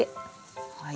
はい。